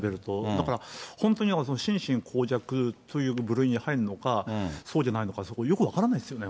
だから、本当に心神耗弱という部類に入るのか、そうじゃないのか、そこ、よく分からないですよね。